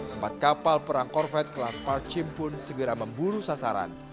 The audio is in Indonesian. empat kapal perang corvet kelas park chim pun segera memburu sasaran